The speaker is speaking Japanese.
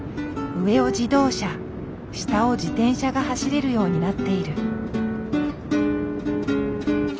上を自動車下を自転車が走れるようになっている。